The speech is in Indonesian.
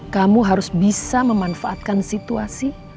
kamu harus bisa memanfaatkan situasi